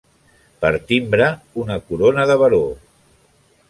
Per timbre, una corona de baró.